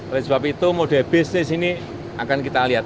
oleh sebab itu model bisnis ini akan kita lihat